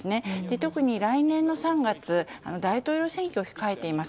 特に来年の３月大統領選挙を控えています。